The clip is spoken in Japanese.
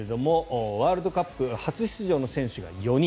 ワールドカップ初出場の選手が４人。